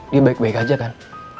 dia baik baik aja kan